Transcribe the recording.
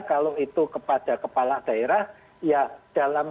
kalau itu kepada kepala daerah ya dalam